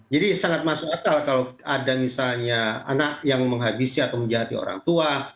jadi sangat masuk akal kalau ada misalnya anak yang menghabisi atau menjahati orang tua